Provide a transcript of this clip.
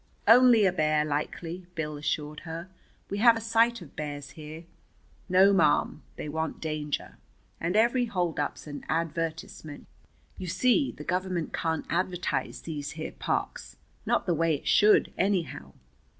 "Only a bear, likely," Bill assured her. "We have a sight of bears here. No, ma'am, they want danger. And every holdup's an advertisement. You see, the Government can't advertise these here parks; not the way it should, anyhow.